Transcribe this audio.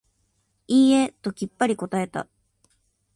いいえ、ときっぱり答えた。